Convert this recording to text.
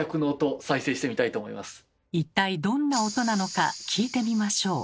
じゃあ一体どんな音なのか聞いてみましょう。